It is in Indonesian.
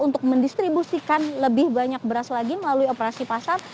untuk mendistribusikan lebih banyak beras lagi melalui operasi pasar